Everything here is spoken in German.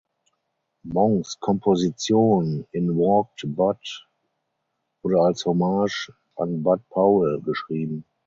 Monks Komposition „In Walked Bud“ wurde als Hommage an Bud Powell geschrieben.